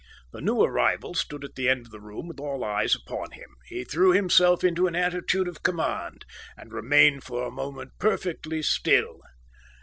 The new arrival stood at the end of the room with all eyes upon him. He threw himself into an attitude of command and remained for a moment perfectly still.